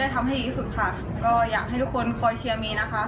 ก็เลยรู้สึกว่าเราอยากทำผลงานให้ดี